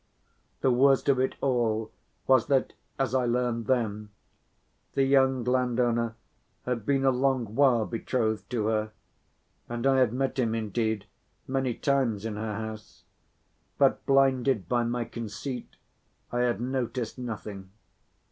The worst of it all was that, as I learned then, the young landowner had been a long while betrothed to her, and I had met him indeed many times in her house, but blinded by my conceit I had noticed nothing.